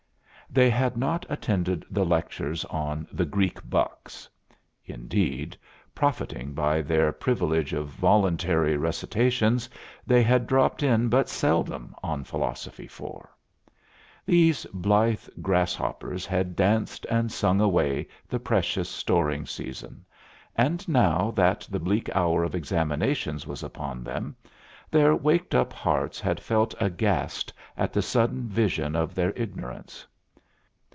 They had not attended the lectures on the "Greek bucks." Indeed, profiting by their privilege of voluntary recitations, they had dropped in but seldom on Philosophy 4. These blithe grasshoppers had danced and sung away the precious storing season, and now that the bleak hour of examinations was upon them, their waked up hearts had felt aghast at the sudden vision of their ignorance.